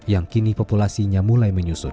yang kini populasinya mulai menyusut